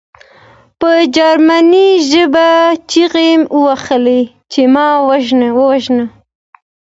ما په جرمني ژبه چیغې وهلې چې ما ووژنه